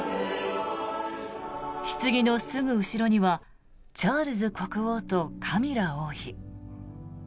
ひつぎのすぐ後ろにはチャールズ国王とカミラ王妃。